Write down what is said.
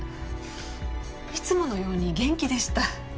いつものように元気でした。